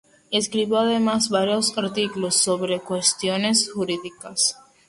Escribió además varios artículos sobre cuestiones jurídicas.